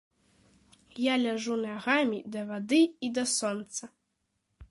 Я ляжу нагамі да вады і да сонца.